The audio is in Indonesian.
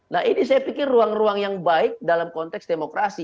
nah ini saya pikir ruang ruang yang baik dalam konteks demokrasi